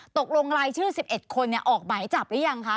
ตกลงรายชื่อ๑๑คนออกหมายจับหรือยังคะ